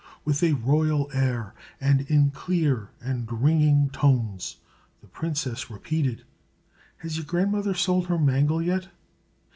With a royal air, and in clear and ringing tones, the princess repeated, "Has your grandmother sold her mangle yet?"